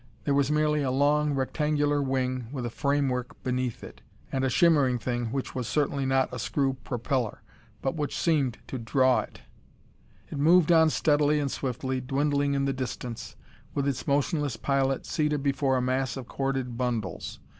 There was merely a long, rectangular wing with a framework beneath it, and a shimmering thing which was certainly not a screw propeller, but which seemed to draw it. It moved on steadily and swiftly, dwindling in the distance, with its motionless pilot seated before a mass of corded bundles.